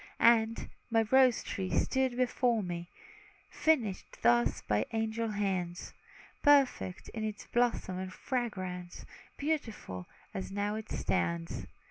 And, my rose tree stood before me, Finished thus by angel hands; Perfect in its bloom and fragrance, Beautiful, as now it stands.